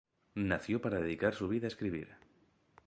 Nació para dedicar su vida a escribir.